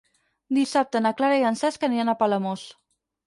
Dissabte na Clara i en Cesc aniran a Palamós.